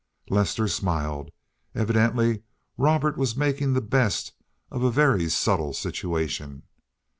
Lester smiled. Evidently Robert was making the best of a very subtle situation.